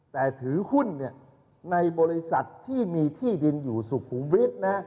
แต่ถือหุ้นในบริษัทที่มีที่ดินอยู่สุขุมวิทย์นะ